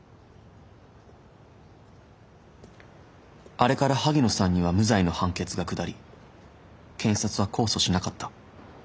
あれから萩野さんには無罪の判決が下り検察は控訴しなかった。